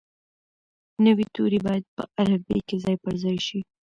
نوي توري باید په الفبې کې ځای پر ځای شي.